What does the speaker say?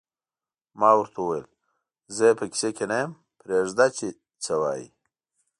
ما ورته وویل: زه یې په کیسه کې نه یم، پرېږده چې څه وایې.